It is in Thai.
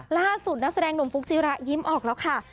ล่าสุดนักแสดงหนุ่มฟุ๊กจิระยิ้มออกแล้วค่ะ